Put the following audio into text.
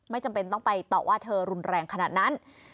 จำเป็นต้องไปต่อว่าเธอรุนแรงขนาดนั้น